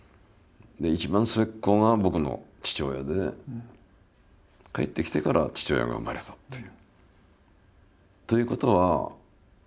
一番末っ子が僕の父親で帰ってきてから父親が生まれたっていう。